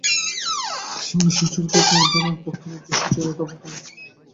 এ জীবনে সুচরিতার দ্বার তাহার পক্ষে রুদ্ধ, সুচরিতা তাহার পক্ষে নাই।